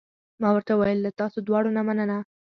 ما ورته وویل: له تاسو دواړو نه مننه.